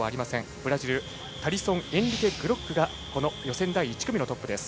ブラジルのタリソンエンリケ・グロックが予選第１組のトップです。